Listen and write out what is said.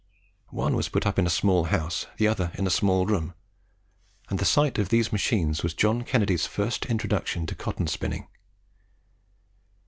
One was put up in a small house, the other in a small room; and the sight of these machines was John Kennedy's first introduction to cotton spinning.